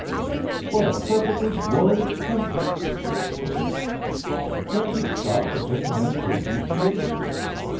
"What a perfectly glorious country!" she exclaimed. "Can't we stop for just a minute to appreciate it?"